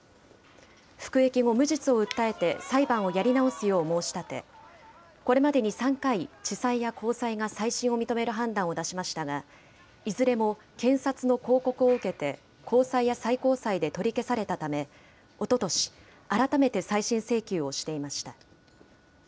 服役後、無実を訴えて裁判をやり直すよう申し立て、これまでに３回、地裁や高裁が再審を認める判断を出しましたが、いずれも検察の抗告を受けて、高裁や最高裁で取り消されたため、おととし、改めて再審請求をしていました。